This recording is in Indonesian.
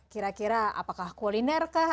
kira kira apakah kuliner kah